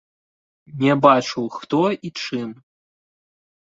Не бачыў хто і чым.